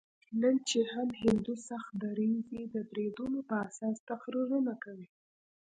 نن چې هم هندو سخت دریځي د بریدونو په اساس تقریرونه کوي.